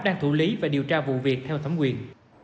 đang thủ lý và điều tra vụ việc theo thẩm quyền